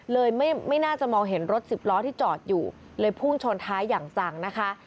เลยไม่น่าจะมองเห็นรถสิบล้อที่จอดอยู่เลยพุ่งชนท้ายอย่างจังนะคะ